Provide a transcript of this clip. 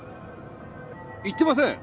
言ってません。